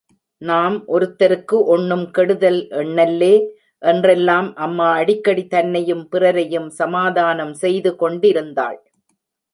நாம் ஒத்தருக்கு ஒண்ணும் கெடுதல் எண்ணல்லே என்றெல்லாம் அம்மா அடிக்கடி தன்னையும், பிறரையும் சமாதானம் செய்து கொண்டிருந்தாள்.